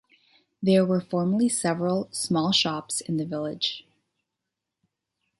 There were formerly several small shops in the village.